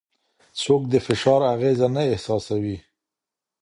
څوک د فشار اغېزه نه احساسوي؟